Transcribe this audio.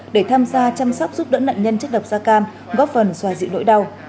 để tham gia chăm sóc giúp đỡ nạn nhân chất độc da cam góp phần xoa dịu nỗi đau